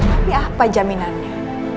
tapi apa jaminannya